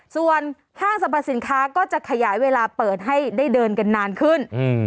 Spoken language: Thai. ส่วนห้างสรรพสินค้าก็จะขยายเวลาเปิดให้ได้เดินกันนานขึ้น